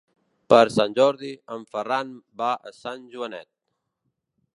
Per Sant Jordi en Ferran va a Sant Joanet.